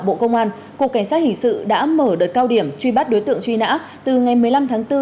bộ công an cục cảnh sát hình sự đã mở đợt cao điểm truy bắt đối tượng truy nã từ ngày một mươi năm tháng bốn